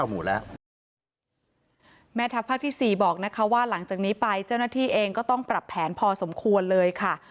ก็จะเปลี่ยนเป็นเข้าพื้นที่แทนการประจำตามป้อมมานะคะ